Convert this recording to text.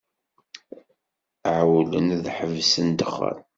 Ɛewwlen ad ḥebsen ddexxan.